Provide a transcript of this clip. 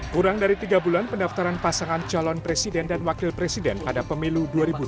kurang dari tiga bulan pendaftaran pasangan calon presiden dan wakil presiden pada pemilu dua ribu dua puluh